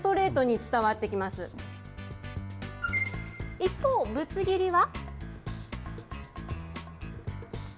一方、ぶつ切りは。